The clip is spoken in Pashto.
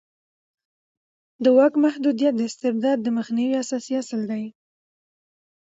د واک محدودیت د استبداد د مخنیوي اساسي اصل دی